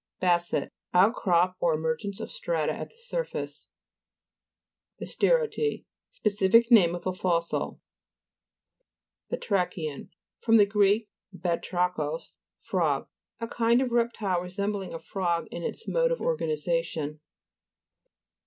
BASSET Outcrop, or emergence of strata at the surface. BASTERO'TI Specific name of a fos sil (p. 90). BATRA'CHIAIT (Ba trak' ean} fr. gr. batrachos, frog. A kind of reptile resembling a frog in its mode of organization.